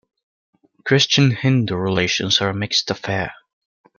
Christian-Hindu relations are a mixed affair.